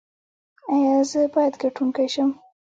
ایا زه باید ګټونکی شم؟